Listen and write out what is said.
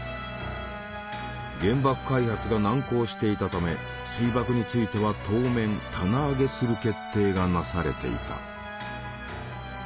原爆開発が難航していたため水爆については当面棚上げする決定がなされていた。